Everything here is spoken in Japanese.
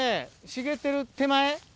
茂ってる手前。